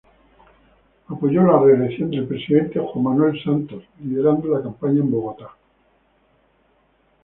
Apoyó la reelección del presidente Juan Manuel Santos liderando la campaña en Bogotá.